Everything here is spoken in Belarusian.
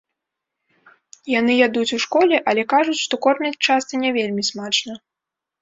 Яны ядуць у школе, але кажуць, што кормяць часта не вельмі смачна.